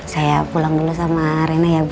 saya pulang dulu sama rena ya bu